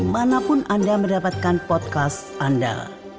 manapun anda mendapatkan podcast anda